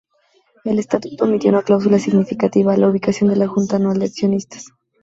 El estatuto omitió una cláusula significativa: la ubicación de la junta anual de accionistas.